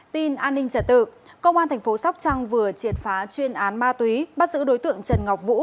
tin an ninh trả tự công an thành phố sóc trăng vừa triệt phá chuyên án ma túy bắt giữ đối tượng trần ngọc vũ